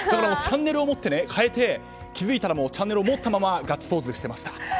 チャンネルを持って変えて気づいたらチャンネルを持ったままガッツポーズしてました。